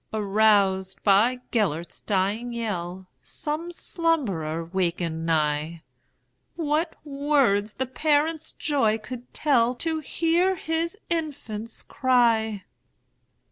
Aroused by Gêlert's dying yell, Some slumberer wakened nigh:What words the parent's joy could tellTo hear his infant's cry!